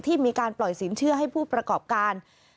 มีการปล่อยสินเชื่อให้ผู้ประกอบการ